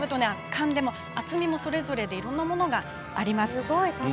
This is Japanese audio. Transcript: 厚みもそれぞれいろいろなものがあります。